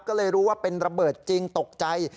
ก็เลยรู้ว่าเป็นระเบิดจริงตกใจ